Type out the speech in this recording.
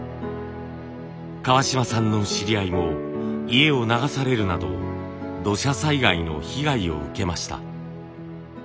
川島さんの知り合いも家を流されるなど土砂災害の被害を受けました。